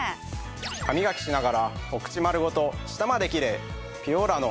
ハミガキしながらお口丸ごと舌までキレイ！